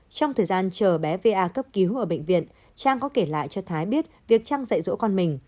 trong thời gian chờ bé va cấp cứu ở bệnh viện trang có kể lại cho thái biết việc trang dạy dỗ con mình